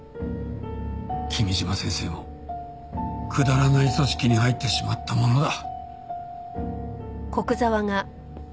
君嶋先生もくだらない組織に入ってしまったものだ。